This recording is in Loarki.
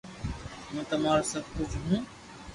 ھون تمارو سب ڪجھ ھون